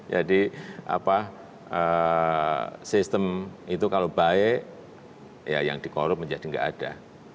jadi apa sistem itu kalau baik ya yang dikorup menjadi enggak ada